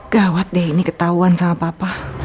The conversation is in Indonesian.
gawat deh ini ketahuan sama papa